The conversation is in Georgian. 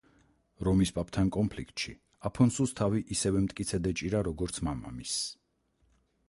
რომის პაპთან კონფლიქტში, აფონსუს თავი ისევე მტკიცედ ეჭირა, როგორც მამამისს.